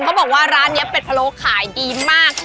บอกว่าร้านนี้เป็ดพะโลขายดีมาก